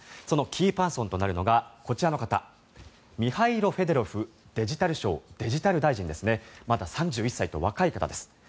そのキーパーソンとなるのがこちらの方ミハイロ・フェドロフデジタル相デジタル大臣ですねまだ３１歳と若い方です。